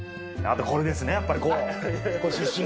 これですね、やっぱり。